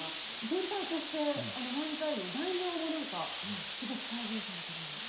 全体として漫才の内容もなんかすごく再現されてるような。